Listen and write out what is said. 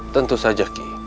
tentu saja ki